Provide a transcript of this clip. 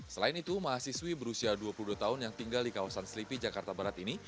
selain itu mahasiswi berusia dua puluh dua tahun yang tinggal di kawasan selipi jakarta barat ini